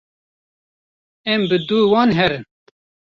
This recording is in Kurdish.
em bi dû wan herin